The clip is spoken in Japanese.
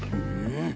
うん。